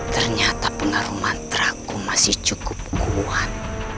ternyata pengaruh mantra ku masih cukup kuat